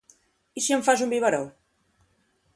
I si em fas un biberó?